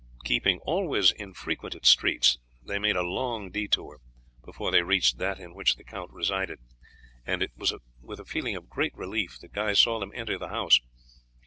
Keeping always in frequented streets they made a long detour before they reached that in which the count resided, and it was with a feeling of great relief that Guy saw them enter the house.